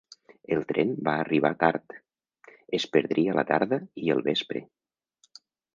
El tren va arribar tard; es perdria la tarda i el vespre.